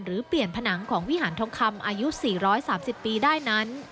หรือเปลี่ยนผนังของวิหารทองคำอายุ๔๓๐ปีได้นั้น